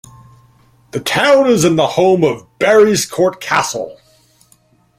The town is the home of Barryscourt Castle.